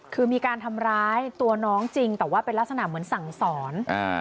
คือมีการทำร้ายตัวน้องจริงแต่ว่าเป็นลักษณะเหมือนสั่งสอนอ่า